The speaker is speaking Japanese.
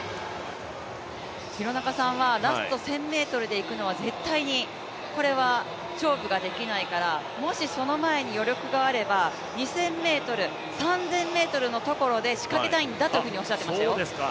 廣中さんはラスト１０００ｍで行くのは絶対にこれは勝負ができないから、もしその前に余力があれば２０００ｍ、３０００ｍのところで仕掛けたいんだというふうにおっしゃっていましたよ。